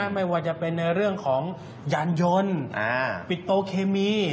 ไม่ว่าจะเป็นในเรื่องของยานยนต์ปิดโตเคมี